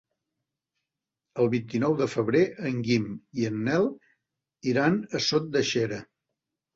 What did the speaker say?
El vint-i-nou de febrer en Guim i en Nel iran a Sot de Xera.